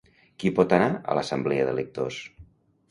Qui pot anar a l'Assemblea de Lectors?